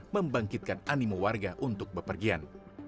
membangkitkan animu warga untuk bepergian